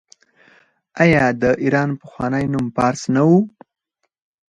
آیا د ایران پخوانی نوم فارس نه و؟